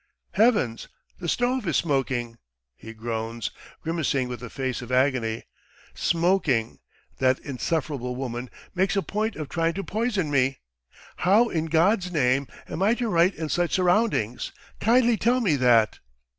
"Heavens! the stove is smoking!" he groans, grimacing with a face of agony. "Smoking! That insufferable woman makes a point of trying to poison me! How, in God's Name, am I to write in such surroundings, kindly tell me that?"